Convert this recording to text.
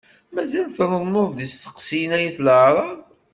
Mazal trennu-d isteqsiyen ay at laɛraḍ.